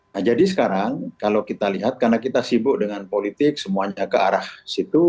nah jadi sekarang kalau kita lihat karena kita sibuk dengan politik semuanya ke arah situ